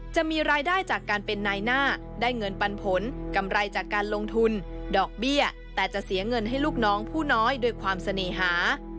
จะมีรายได้จากการเป็นนายหน้าได้เงินปันผลกำไรจากการลงทุนดอกเบี้ยแต่จะเสียเงินให้ลูกน้องผู้น้อยด้วยความเสน่หา